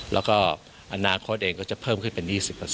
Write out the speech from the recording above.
แล้วก็อนาคตเองก็จะเพิ่มขึ้นเป็น๒๐